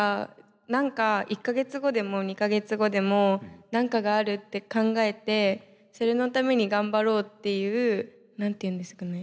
何か１か月後でも２か月後でも何かがあるって考えてそれのために頑張ろうっていう何て言うんですかね